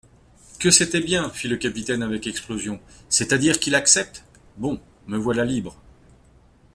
Que c'était bien ! fit le capitaine avec explosion, c'est-à-dire qu'il accepte ? Bon ! me voilà libre.